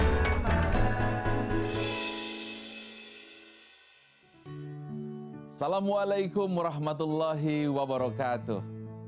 assalamualaikum warahmatullahi wabarakatuh